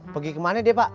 pergi kemana deh pak